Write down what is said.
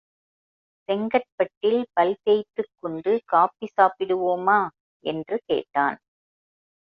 செங்கற்பட்டில் பல் தேய்த்துக் கொண்டு காபி சாப்பிடுவோமா? என்று கேட்டான்.